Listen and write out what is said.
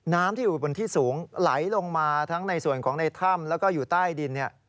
น้ำที่อยู่บนที่สูงไหลลงมาทั้งในส่วนของในถ้ำแล้วก็อยู่ใต้ดิน